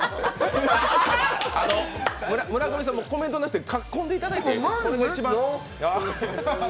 村上さん、コメントなしでかき込んでいただいて、それが一番。